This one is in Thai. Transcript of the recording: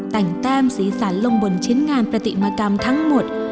แต่งแต้มสีสันลงบนชิ้นงานปฏิมกรรมทั้งหมด